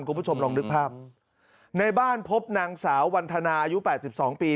คุณผู้ชมลองนึกภาพในบ้านพบนางสาววันธนาอายุแปดสิบสองปี